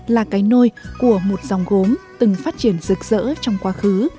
là cái nôi của một dòng gốm từng phát triển rực rỡ trong quá khứ